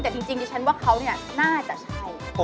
แต่จริงดิฉันว่าเขาเนี่ยน่าจะใช่